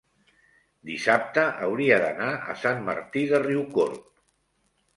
dissabte hauria d'anar a Sant Martí de Riucorb.